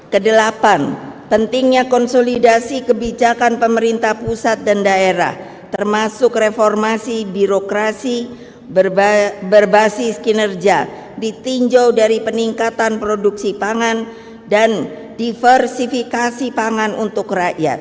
kedelapan pentingnya konsolidasi kebijakan pemerintah pusat dan daerah termasuk reformasi birokrasi berbasis kinerja ditinjau dari peningkatan produksi pangan dan diversifikasi pangan untuk rakyat